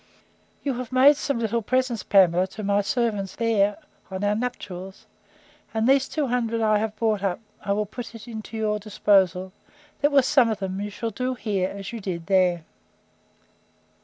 You have made some little presents, Pamela, to my servants there, on our nuptials; and these two hundred that I have brought up, I will put into your disposal, that, with some of them, you shall do here as you did there.